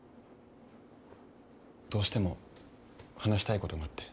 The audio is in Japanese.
どうしても話したいことがあって。